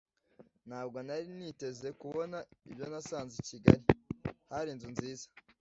ntabwo nari niteze kubona ibyo nasanze i Kigali […] hari inzu nziza